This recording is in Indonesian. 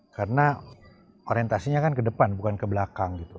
karena orientasinya kan ke depan bukan ke belakang gitu